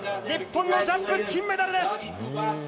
日本のジャンプ、金メダルです！